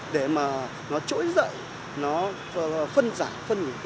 để mà nó trỗi rợi nó phân giải phân hủy các chất vật